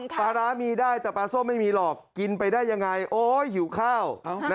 ปลาร้ามีได้แต่ปลาส้มไม่มีหรอกกินไปได้ยังไงโอ๊ยหิวข้าว